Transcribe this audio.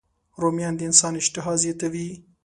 رومیان د انسان اشتها زیاتوي